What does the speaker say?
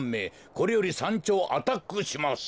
これよりさんちょうアタックします。